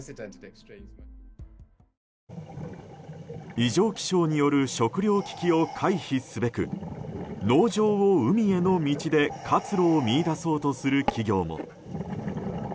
異常気象による食糧危機を回避すべく農場を海への道で活路を見いだそうとする企業も。